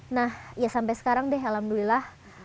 nah ya sampai sekarang deh alhamdulillah